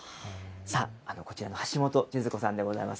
さあ、こちらの橋本千寿子さんでございます。